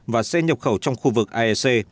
và xe nhập khẩu trong khu vực iec